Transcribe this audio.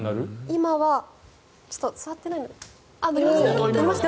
今はちょっと座ってないので。